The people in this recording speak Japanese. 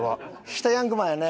下ヤングマンやね。